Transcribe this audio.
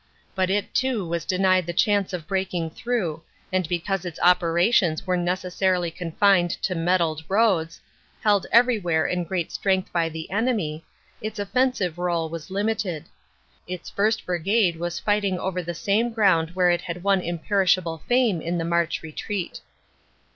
But it too was denied the chance of breaking through, and because its operations were necessarily confined to metalled roads, held everywhere in great strength by the enemy, its offensive role was limited. Its 1st. Brigade was fighting over the same ground where it had won imperishable fame in the March retreat.